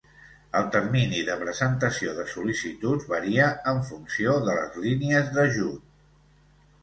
El termini de presentació de sol·licituds varia en funció de les línies d'ajut.